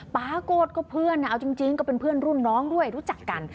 ปรากฏก็เพื่อนเอาจริงก็เป็นเพื่อนรุ่นน้องด้วยรู้จักกัน